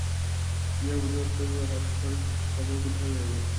ইহার প্রতিবাদ করিবার অবসর কবে কোথায় পাইব।